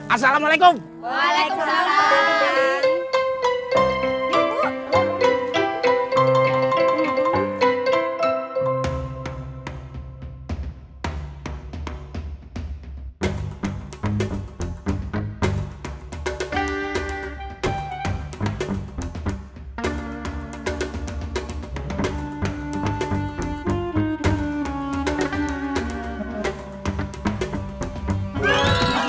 assalamualaikum waalaikumsalam pak jahal